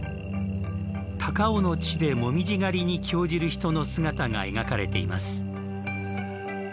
高雄の地で、もみじ狩りに興じる人の姿が描かれています。